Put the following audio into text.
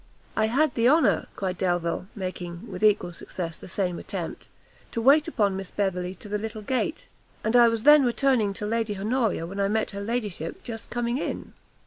"I had the honour," cried Delvile, making, with equal success, the same attempt, "to wait upon Miss Beverley to the little gate; and I was then returning to Lady Honoria when I met her ladyship just coming in."